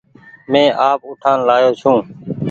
مينٚ آپ اُٺآن لآيو ڇوٚنٚ